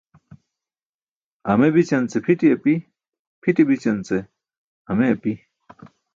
Ame bićance ce pʰiṭi api, pʰiṭi bićance ce ame api.